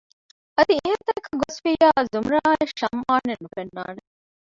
އަދި އެހެން ތަނަކަށް ގޮސްފިއްޔާ ޒުމްރާއަށް ޝަމްއާން ނުފެންނާނެ